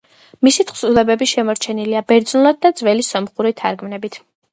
მისი თხზულებები შემორჩენილია ბერძნულად და ძველი სომხური თარგმანებით.